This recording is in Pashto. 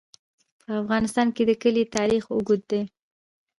په افغانستان کې د کلي تاریخ اوږد دی.